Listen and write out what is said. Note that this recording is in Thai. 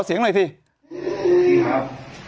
แกจะให้กับที่เอิงนะ